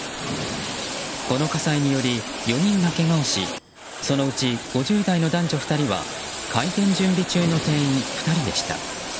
この火災により４人がけがをしそのうち５０代の男女２人は開店準備中の店員２人でした。